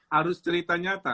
harus cerita nyata